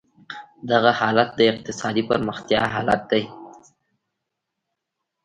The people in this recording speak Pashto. دغه حالت د اقتصادي پرمختیا حالت دی.